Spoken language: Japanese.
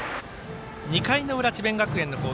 ２回の裏、智弁学園の守り。